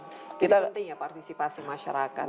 jadi penting ya partisipasi masyarakat